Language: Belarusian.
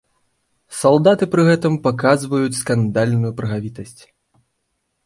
Салдаты пры гэтым паказваюць скандальную прагавітасць.